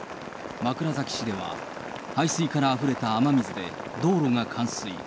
枕崎市では排水溝からあふれた雨水で道路が冠水。